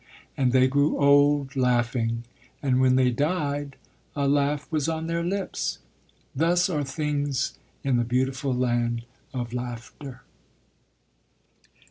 And they grew old, laughing. And when they died a laugh was on their lips. Thus are things in the beautiful Land of Laughter.